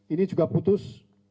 ini juga putus